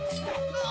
うわ！